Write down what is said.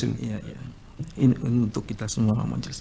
ini untuk kita semua